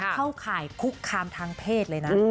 เข้าข่ายคุกคามทางเพศเลยนะ